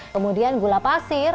kemudian gula pasir